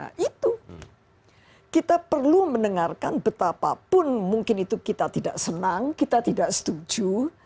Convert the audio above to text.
nah itu kita perlu mendengarkan betapapun mungkin itu kita tidak senang kita tidak setuju